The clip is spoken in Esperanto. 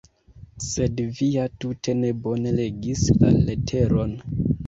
Sed vi ja tute ne bone legis la leteron!